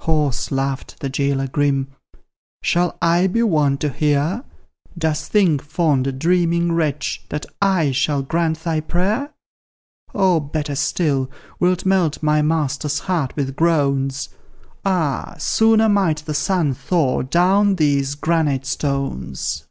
Hoarse laughed the jailor grim: "Shall I be won to hear; Dost think, fond, dreaming wretch, that I shall grant thy prayer? Or, better still, wilt melt my master's heart with groans? Ah! sooner might the sun thaw down these granite stones.